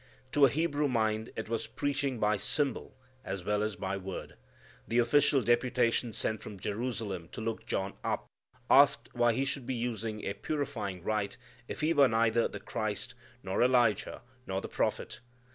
To a Hebrew mind it was preaching by symbol as well as by word. The official deputation sent from Jerusalem to look John up asked why he should be using a purifying rite if he were neither the Christ, nor Elijah, nor the prophet.